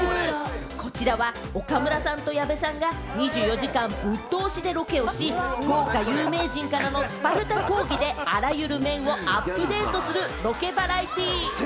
こちらは岡村さんと矢部さんが２４時間ぶっ通しでロケをし、豪華有名人からのスパルタ講義であらゆる面をアップデートするロケバラエティー。